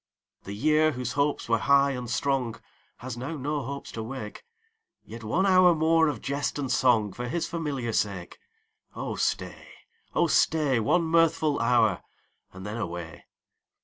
The year, whose hopes were high and strong, Has now no hopes to wake ; Yet one hour more of jest and song For his familiar sake. Oh stay, oh stay, One mirthful hour, and then away.